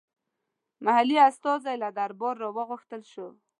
محلي استازی له درباره راوغوښتل شو.